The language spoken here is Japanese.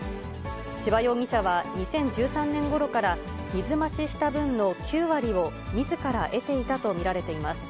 千葉容疑者は２０１３年ごろから、水増しした分の９割をみずから得ていたと見られています。